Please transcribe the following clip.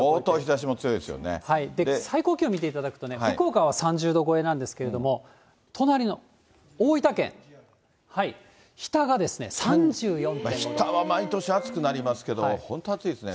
最高気温を見ていただくと、福岡は３０度超えなんですけれども、隣の大分県、日田は毎年暑くなりますけど、本当、暑いですね。